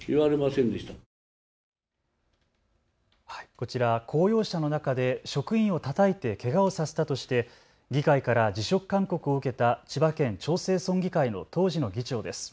こちら、公用車の中で職員をたたいてけがをさせたとして議会から辞職勧告を受けた千葉県長生村議会の当時の議長です。